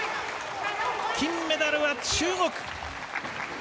金メダルは中国。